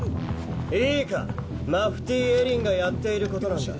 いいかマフティー・エリンがやっていることなんだ。